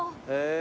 え。